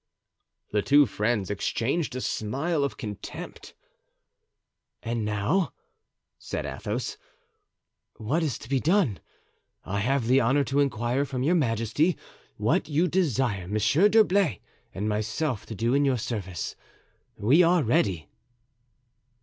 The two friends exchanged a smile of contempt. "And now," said Athos, "what is to be done? I have the honor to inquire from your majesty what you desire Monsieur d'Herblay and myself to do in your service. We are ready."